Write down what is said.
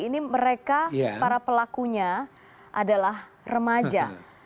ini mereka para pelakunya adalah remaja